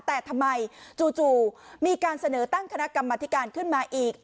แต่ทำไมจู่มีการเสนอตั้งคณะกรรมธิการขึ้นมาอีก